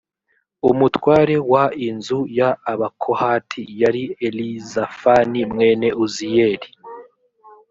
umutware w inzu y abakohati yari elizafani mwene uziyeli